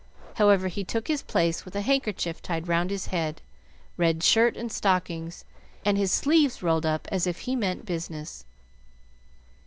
However, he took his place with a handkerchief tied round his head, red shirt and stockings, and his sleeves rolled up as if he meant business.